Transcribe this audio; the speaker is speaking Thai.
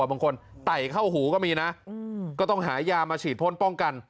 บางคนไต่เข้าหูก็มีนะก็ต้องหายามาฉีดพ่นป้องกัน